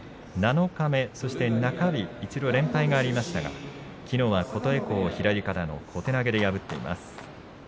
中日、連敗がありましたがきのうは琴恵光を左からの小手投げで破っています。